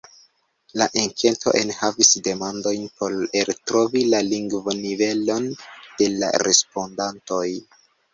La enketo enhavis demandojn por eltrovi la lingvonivelon de la respondantoj.